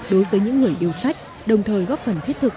đối với những người yêu sách đồng thời góp phần thiết thực